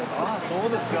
そうですか。